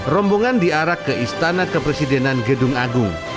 rombongan diarak ke istana kepresidenan gedung agung